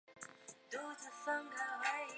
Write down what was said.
吴王夫差立邾桓公革继位。